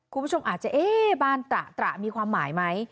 คุณผู้ชมอาจจะเอ๊ะบ้านตระตระมีความหมายไหม